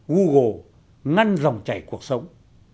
google ngăn dòng chảy cuộc sống